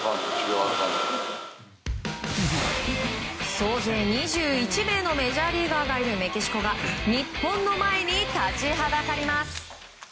総勢２１名のメジャーリーガーがいるメキシコが日本の前に立ちはだかります。